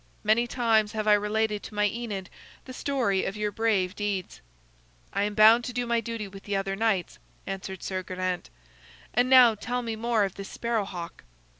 Many times have I related to my Enid the story of your brave deeds." "I am bound to do my duty with the other knights," answered Sir Geraint. "And now tell me more of this Sparrow hawk."